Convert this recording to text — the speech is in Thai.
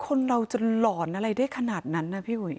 คนเราจะหลอนอะไรได้ขนาดนั้นนะพี่อุ๋ย